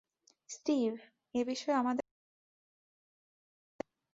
Steve, এ বিষয়ে আমাদের কথা হয়েছে।